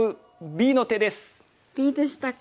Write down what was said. Ｂでしたか。